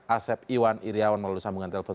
asep iwan iryawan melalui sambungan telepon